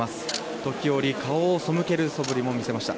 時折、顔を背けるそぶりも見せました。